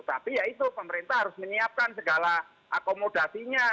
tapi ya itu pemerintah harus menyiapkan segala akomodasinya